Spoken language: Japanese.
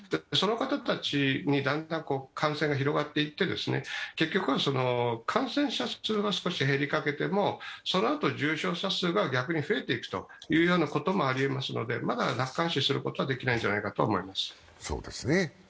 その方たちに、だんだん感染が広がっていって結局は感染者数が少し減りかけてもそのあと重症者数が逆に増えていくというようなこともありえますのでまだ楽観視することはできないんじゃないかと思います。